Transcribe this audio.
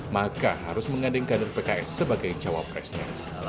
maka harus menganding kader pks sebagai jawab presiden